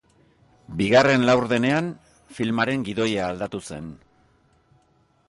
Bigarren laurdenean filmaren gidoia aldatu zen.